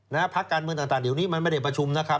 พักการเมืองต่างเดี๋ยวนี้มันไม่ได้ประชุมนะครับ